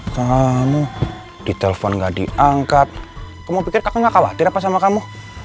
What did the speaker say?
kamu di telepon nggak diangkat kamu pikir kakak nggak khawatir apa sama kamu